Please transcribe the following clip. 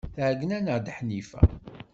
Tɛeyyen-aneɣ-d Ḥnifa.